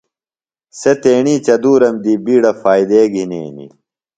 سےۡ تیݨی چدُورم دی بِیڈہ فائدے گِھنینیۡ۔